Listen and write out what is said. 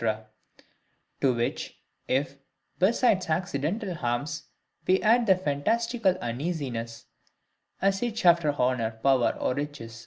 To which, if, besides accidental harms, we add the fantastical uneasiness (as itch after honour, power, or riches, &c.)